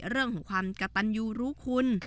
เรื่องของความกระตันยูรู้คุณ